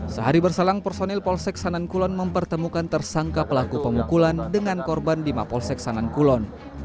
sehari berselang personil polsek sanankulon mempertemukan tersangka pelaku pemukulan dengan korban di mapolsek sanankulon